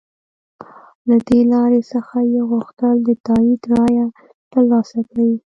له دې لارې څخه یې غوښتل د تایید رایه تر لاسه کړي.